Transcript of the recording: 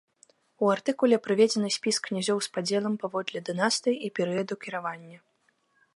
У артыкуле прыведзены спіс князёў з падзелам паводле дынастыі і перыяду кіравання.